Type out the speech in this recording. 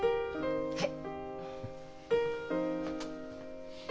はい。